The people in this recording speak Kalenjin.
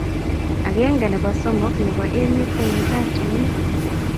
Agenge nebo somok nebo emet ko nyitat tumin